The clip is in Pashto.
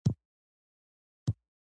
هغه د هیلې په بڼه د مینې سمبول جوړ کړ.